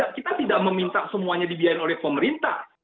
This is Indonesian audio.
kita tidak meminta semuanya dibiayain oleh pemerintah